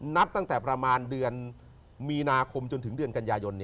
นับตั้งแต่ประมาณเดือนมีนาคมจนถึงเดือนกันยายน